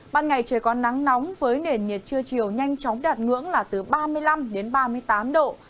ban ngày trời có nắng nóng với nền nhiệt trưa chiều nhanh chóng đạt ngưỡng là từ ba mươi năm đến ba mươi tám độ